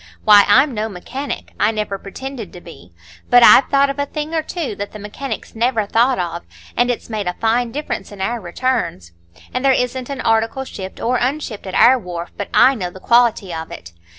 Why, I'm no mechanic,—I never pretended to be—but I've thought of a thing or two that the mechanics never thought of, and it's made a fine difference in our returns. And there isn't an article shipped or unshipped at our wharf but I know the quality of it.